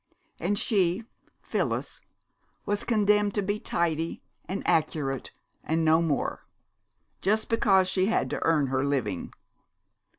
And she, Phyllis, was condemned to be tidy and accurate, and no more, just because she had to earn her living.